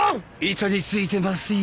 板に付いてますよ。